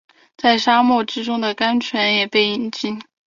在沙漠之中的甘泉也被饮尽